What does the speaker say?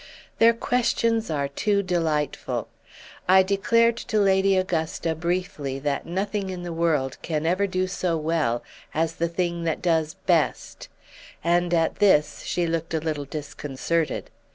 Their questions are too delightful! I declared to Lady Augusta briefly that nothing in the world can ever do so well as the thing that does best; and at this she looked a little disconcerted.